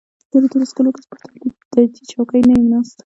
په تېرو دولسو کالو کې زه پر دولتي چوکۍ نه یم ناست.